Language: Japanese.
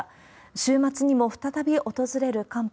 週末にも再び訪れる寒波。